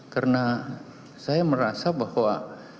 karena saya merasa bahwa